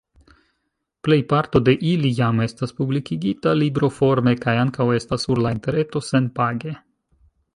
Plejparto de ili jam estas publikigita libroforme kaj ankaŭ estas sur la interreto senpage.